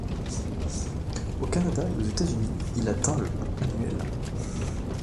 Au Canada et aux États-Unis, il atteint le annuel.